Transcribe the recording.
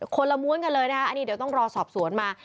คนละม้วนกันเลยนะคะอันนี้เดี๋ยวต้องรอสอบสวนมา